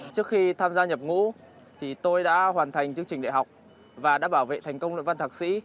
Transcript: trước khi tham gia nhập ngũ tôi đã hoàn thành chương trình đại học và đã bảo vệ thành công luận văn thạc sĩ